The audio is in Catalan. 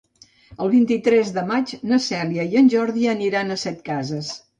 El vint-i-tres de maig na Cèlia i en Jordi aniran a Setcases.